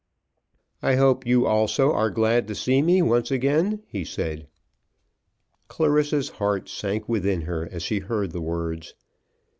"I hope you also are glad to see me once again?" he said. Clarissa's heart sank within her as she heard the words.